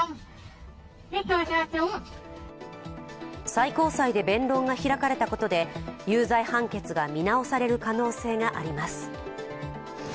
最高裁で弁論が開かれたことで有罪判決が見直される可能性があります。